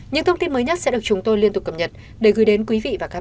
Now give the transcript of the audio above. những thông tin mới nhất sẽ được chúng tôi liên tục cập nhật để gửi đến quý vị và các bạn